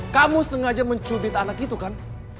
kamu sengaja mencubit anak itu kan